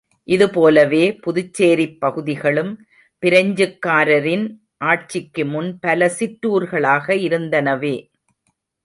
இதுபோலவே, புதுச்சேரிப் பகுதிகளும் பிரெஞ்சுக்காரரின் ஆட்சிக்கு முன் பல சிற்றூர்களாக இருந்தனவே.